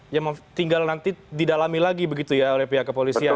ya tinggal nanti didalami lagi begitu ya oleh pihak kepolisian